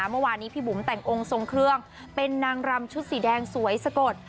เมื่อวานนี้พี่บุ๋มแต่งองค์ทรงเครื่องเป็นนางรำชุดสีแดงสวยสะกด